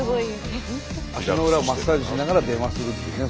足の裏をマッサージしながら電話するっていうね。